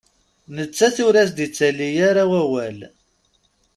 Nettat ur as-d-ittali ara wawal.